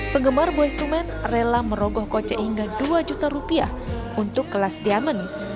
penggemar boyz ii men rela merogoh koce hingga dua juta rupiah untuk kelas diamond